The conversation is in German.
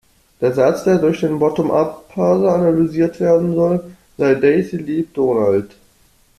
Der Satz, der durch den Bottom-Up-Parser analysiert werden soll, sei "Daisy liebt Donald".